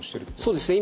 そうですね